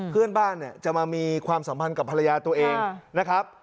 เพื่อนบ้านเนี่ยจะมามีความสัมพันธ์กับภรรยาตัวเองนะครับ